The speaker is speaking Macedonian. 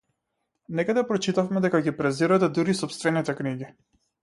Некаде прочитавме дека ги презирате дури и сопстените книги.